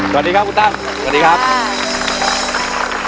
สวัสดีครับคุณตั้ม